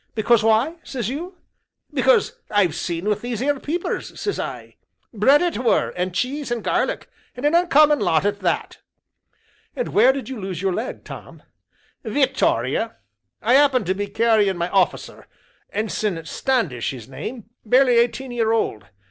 Because why, says you? Because I've seen with these 'ere 'peepers,' says I bread it were, and cheese, and garlic, and a uncommon lot at that." "And where did you lose your leg, Tom?" "Vittoria I 'appened to be carrying my off'cer, Ensign Standish his name, barely eighteen year old.